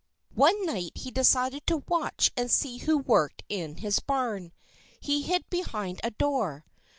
One night he decided to watch and see who worked in his barn. He hid behind a door.